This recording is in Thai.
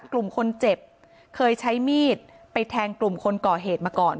กลุ่มคนเจ็บเคยใช้มีดไปแทงกลุ่มคนก่อเหตุมาก่อน